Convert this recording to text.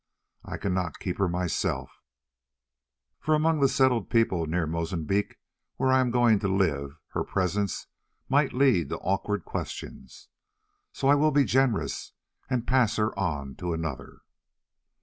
I cannot keep her myself, for among the settled people near Mozambique, where I am going to live, her presence might lead to awkward questions. So I will be generous and pass her on to another.